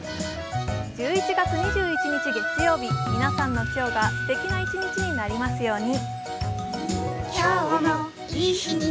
１１月２１日月曜日、皆さんの今日がすてきな一日になりますように。